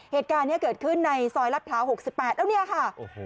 เหตุการณ์นี้เกิดขึ้นในซอยรัฐพร้าว๖๘แล้วเนี่ยค่ะโอ้โห